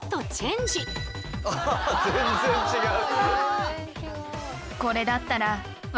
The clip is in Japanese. あ全然違う。